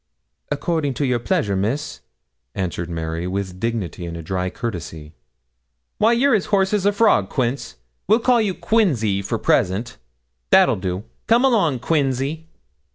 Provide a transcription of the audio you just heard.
'According to your pleasure, Miss,' answered Mary, with dignity, and a dry courtesy. 'Why, you're as hoarse as a frog, Quince. We'll call you Quinzy for the present. That'll do. Come along, Quinzy.'